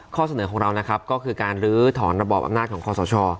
ข้อเสนอของเรานะครับก็คือการลื้อถอนระบอบอำนาจของคอสช